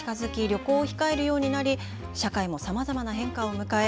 旅行を控えるようになり社会もさまざまな変化を迎え